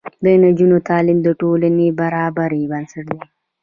د نجونو تعلیم د ټولنې برابرۍ بنسټ دی.